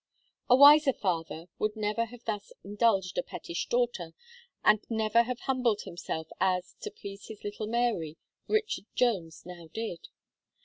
A wiser father would never have thus indulged a pettish daughter, and never have humbled himself as, to please his little Mary, Richard Jones now did.